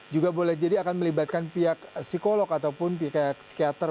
juga boleh jadi akan melibatkan pihak psikolog ataupun pihak psikiater